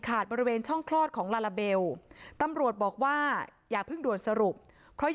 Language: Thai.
บริเวณช่องคลอดของลาลาเบลตำรวจบอกว่าอย่าเพิ่งด่วนสรุปเพราะ